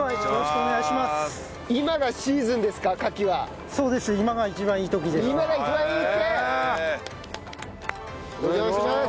お邪魔します。